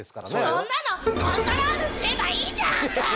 そんなのコントロールすればいいじゃんか！